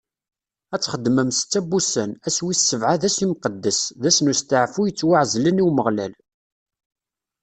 Ad txeddmem setta n wussan, ass wis sebɛa d ass imqeddes, d ass n usteɛfu yettwaɛezlen i Umeɣlal.